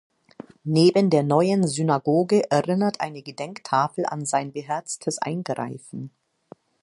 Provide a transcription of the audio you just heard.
Neben der Neuen Synagoge erinnert eine Gedenktafel an sein beherztes Eingreifen.